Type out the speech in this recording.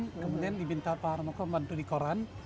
kemudian dibinta pak harmoko membantu di koran